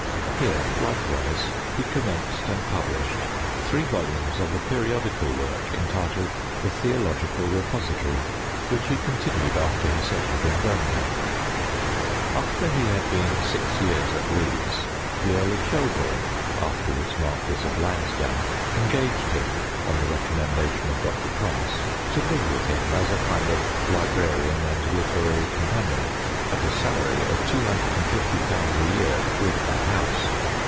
Here, likewise, he commenced and published three volumes of a peri« odical work, entitled " The Theological Repository," which he continued after he settled in Birmingham, After he had been six years at Leeds, the Earl ot Shelbumc (afterwards Marquis of Lansdowne), engaged him, on the recommendation of Dr. Pric^ to live with him as a kind of librarian and literary companion, at a salary of 2501. a year, with a house.